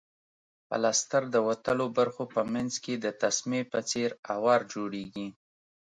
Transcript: پلستر د وتلو برخو په منځ کې د تسمې په څېر اوار جوړیږي.